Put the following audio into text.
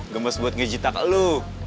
gemes buat ngejitak lu